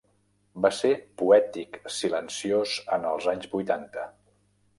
Va ser poètic silenciós en els anys vuitanta.